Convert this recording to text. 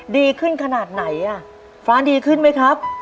ดีขึ้นขนาดไหนอ่ะฟ้านดีขึ้นไหมครับ